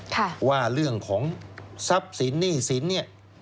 ค่ะว่าเรื่องของทรัพย์สินหนี้สินเนี่ย